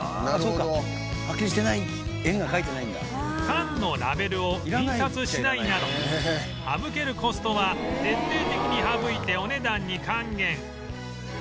缶のラベルを印刷しないなど省けるコストは徹底的に省いてお値段に還元